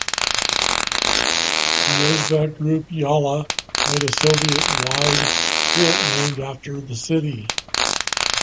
The Uzbek group Yalla made a Soviet-wide hit named after the city.